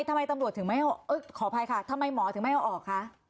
ทำไมตำรวจถึงไม่เอาขออภัยค่ะทำไมหมอถึงไม่เอาออกคะ